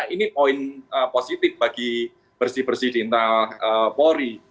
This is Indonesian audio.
ini poin positif bagi bersih bersih di internal polri